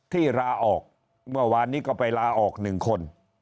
ที่ลาออกเมื่อวานนี้ก็ไปลาออกหนึ่งคน